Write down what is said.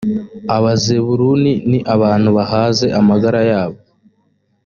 abazebuluni ni abantu bahaze amagara yabo